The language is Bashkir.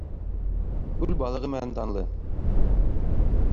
Күл балығы менән данлы